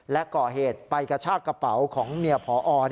และก่อเหตุไปกระชากกระเป๋าของเมียพอ